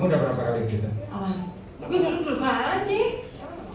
udah berapa kali sih